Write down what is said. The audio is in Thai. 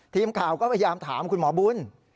ทีมข่าวก็พยายามถามคุณหมอบุญ